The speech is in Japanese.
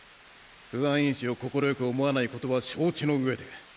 不安因子を快く思わない事は承知の上で。